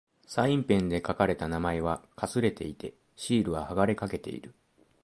サインペンで書かれた名前は掠れていて、シールは剥がれかけている。